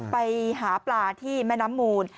ไปหาปลาที่แม่น้ำมูล